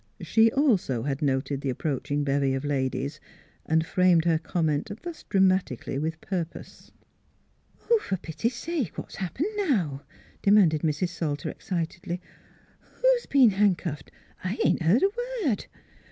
She also had noted the approaching bevy of ladies, and framed her comment thus dramatically with purpose. 44 Fer pity sake, what's happened now?" de manded Mrs. Salter excitedly. " Who's been han'cuffed? I ain't heard a word."